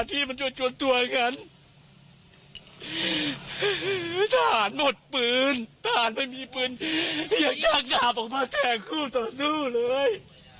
ทหารหมดปืนทหารไม่มีปืนยังช่างดาบของภาคแทงคู่ต่อสู้เลย